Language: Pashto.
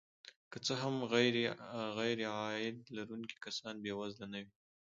که څه هم غیرعاید لرونکي کسان بې وزله نه وي